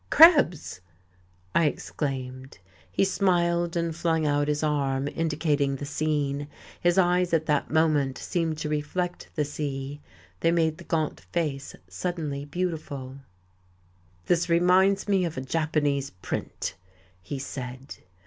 "Krebs!" I exclaimed. He smiled, and flung out his arm, indicating the scene. His eyes at that moment seemed to reflect the sea, they made the gaunt face suddenly beautiful. "This reminds me of a Japanese print," he said.